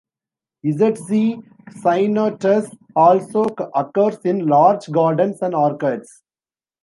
"Z. c. cyanotus" also occurs in large gardens and orchards.